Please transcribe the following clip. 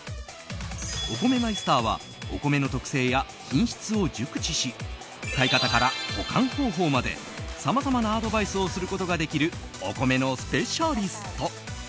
お米マイスターはお米の特性や品質を熟知し買い方から保管方法までさまざまなアドバイスをすることができるお米のスペシャリスト。